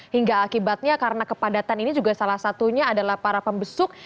hingga akibatnya karena kepadatan ini juga salah satunya adalah para pembesuk